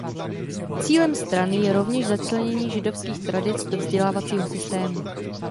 Cílem strany je rovněž začlenění židovských tradic do vzdělávacího systému.